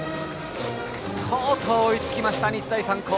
とうとう追いつきました日大三高。